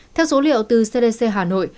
theo số liệu từ cdc hà nội